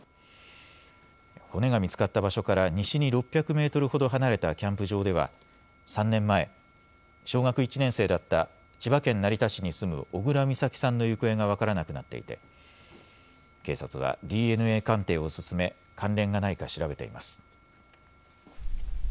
骨が見つかった場所から西に６００メートルほど離れたキャンプ場では３年前、小学１年生だった千葉県成田市に住む小倉美咲さんの行方が分からなくなっていて警察はＤＮＡ鑑定を進め関連がないか調べています。